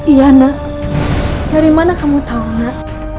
iya nak dari mana kamu tahu nak